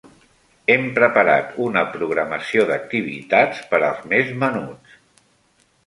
Hem preparat una programació d'activitats per als més menuts.